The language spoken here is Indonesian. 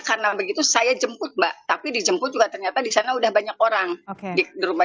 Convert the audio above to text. karena begitu saya jemput mbak tapi dijemput juga ternyata di sana udah banyak orang oke di rumah